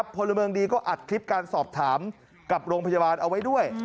พลเมืองดีก็อัดคลิปการสอบถามกับโรงพยาบาลเอาไว้ด้วย